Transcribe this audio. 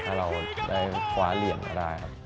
ถ้าเราได้คว้าเหลี่ยมมาได้ครับ